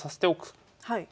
はい。